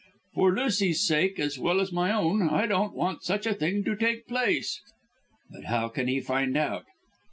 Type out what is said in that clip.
For Lucy's sake, as well as for my own, I don't want such a thing to take place." "But how can he find out?"